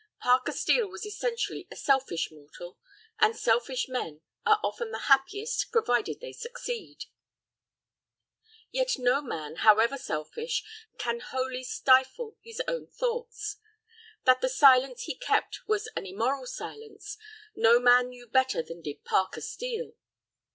Parker Steel was essentially a selfish mortal, and selfish men are often the happiest, provided they succeed. Yet no man, however selfish, can wholly stifle his own thoughts. That the silence he kept was an immoral silence, no man knew better than did Parker Steel.